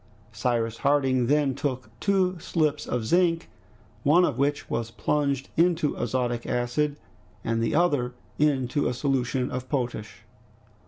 Cyrus Harding then took two slips of zinc, one of which was plunged into azotic acid, the other into a solution of potash.